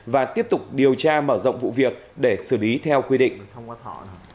và tiếp tục điều tra mở rộng vụ việc để xử lý theo quy định